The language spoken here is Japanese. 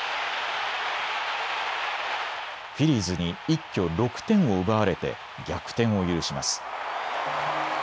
フィリーズに一挙６点を奪われて逆転を許します。